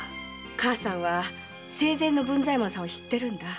母さんは生前の文左衛門さんを知ってるんだ。